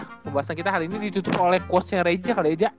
pembahasan kita hari ini ditutup oleh quotesnya reza kali ya